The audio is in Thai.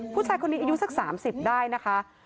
ผู้ชายคนนี้อายุสัก๓๐ได้นะคะ